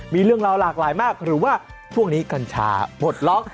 มีเรื่องราวหลากหลายมากหรือว่าช่วงนี้กัญชาปลดล็อก